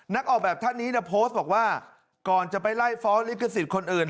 ออกแบบท่านนี้โพสต์บอกว่าก่อนจะไปไล่ฟ้องลิขสิทธิ์คนอื่น